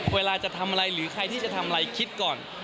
เวลาจะทำอะไรหรือใครที่จะทำอะไรคิดก่อน